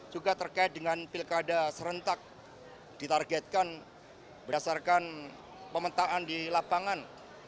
juga terkait dengan pilkada serentak ditargetkan berdasarkan pemetaan di lapangan